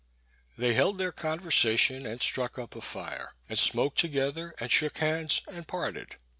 They held their conversation and struck up a fire, and smoked together, and shook hands, and parted.